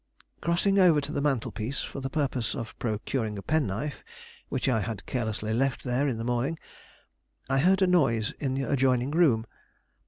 Crossing over to the mantel piece for the purpose of procuring a penknife which I had carelessly left there in the morning, I heard a noise in the adjoining room.